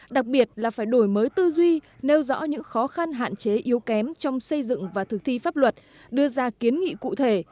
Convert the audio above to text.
đặc biệt là phải đổi mới tư duy nêu rõ những khó khăn hạn chế yếu kém trong xây dựng và thực thi pháp luật đưa ra kiến nghị cụ thể